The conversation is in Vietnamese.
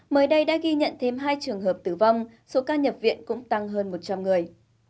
mới đây đã ghi nhận thêm hai trường hợp tử vong số ca nhập viện cũng tăng hơn một trăm linh người